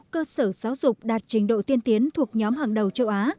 cơ sở giáo dục đạt trình độ tiên tiến thuộc nhóm hàng đầu châu á